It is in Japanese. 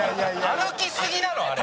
歩きすぎなのあれ。